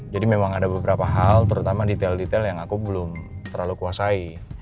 jadi memang ada beberapa hal terutama detail detail yang aku belum terlalu kuasai